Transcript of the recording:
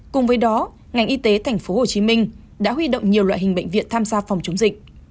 cùng với đó ngành y tế thành phố hồ chí minh đã huy động nhiều loại hình bệnh viện tham gia phòng chống dịch